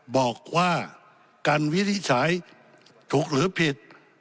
บอกว่าการวินิจฉัยถูกหรือผิด